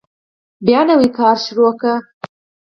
بیا نوی کار یې پیل کړ.